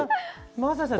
真麻さん